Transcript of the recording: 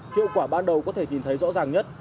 hiệu quả ban đầu có thể nhìn thấy rõ ràng nhất